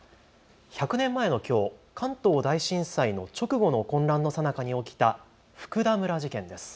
１００年前のきょう関東大震災の直後の混乱のさなかに起きた福田村事件です。